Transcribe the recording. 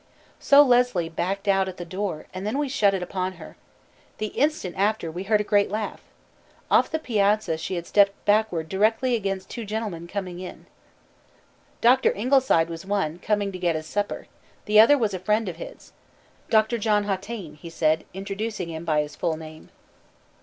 "So Leslie backed out at the door, and we shut it upon her. The instant after, we heard a great laugh. Off the piazza she had stepped backward directly against two gentlemen coming in. "Doctor Ingleside was one, coming to get his supper; the other was a friend of his.... 'Doctor John Hautayne,' he said, introducing him by his full name."